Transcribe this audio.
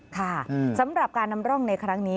ค่ะสำหรับการนำร่องในครั้งนี้